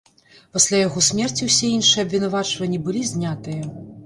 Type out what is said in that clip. Пасля яго смерці ўсе іншыя абвінавачванні былі знятыя.